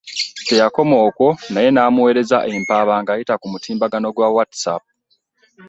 Teyakoma okwo naye n'amuweereza empaaba ng'ayita ku mutimbagano gwa WhatsApp.